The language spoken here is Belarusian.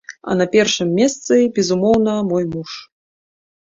А на першым месцы безумоўна мой муж.